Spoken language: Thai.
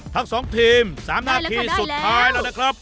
ทั้ง๒ทีม๓นาทีสุดท้ายแล้วนะครับ